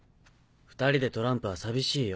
２人でトランプは寂しいよ。